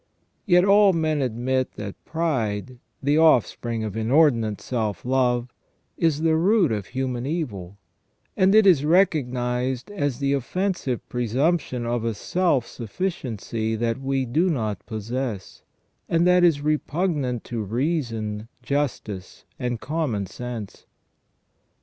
Yet all men admit that pride, the offspring of inordinate self love, is the root of human evil ; and it is recognised as the offensive pre sumption of a self sufficiency that we do not possess, and that is repugnant to reason, justice, and common sense.